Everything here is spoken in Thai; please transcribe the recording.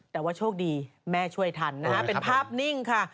แต่ว่าโชคดีแม่ช่วยทันนะฮะเป็นภาพนิ่งค่ะ